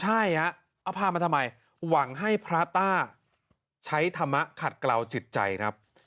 ใช่ฮะเอาพามาทำไมหวังให้พระต้าใช้ธรรมะขัดกล่าวจิตใจครับ